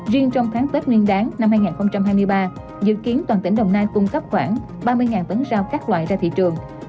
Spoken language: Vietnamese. riêng trong tháng tết nguyên đáng năm hai nghìn hai mươi ba dự kiến toàn tỉnh đồng nai cung cấp khoảng ba mươi tấn rau các loại ra thị trường